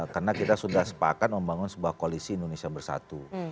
karena kita sudah sepakan membangun sebuah koalisi indonesia bersatu